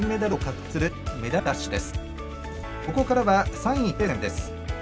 ここからは３位決定戦です。